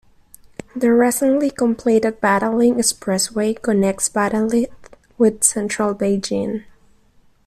The recently completed Badaling Expressway connects Badaling with central Beijing.